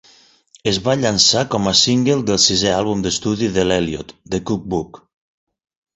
Es va llançar com a single del sisè àlbum d'estudi de l'Eliott, "The Cookbook".